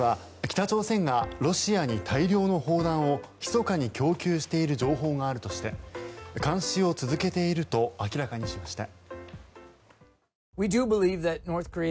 アメリカ政府は北朝鮮がロシアに大量の砲弾をひそかに供給している情報があるとして監視を続けていると明らかにしました。